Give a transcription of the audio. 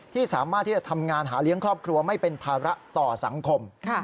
สามารถที่จะทำงานหาเลี้ยงครอบครัวไม่เป็นภาระต่อสังคม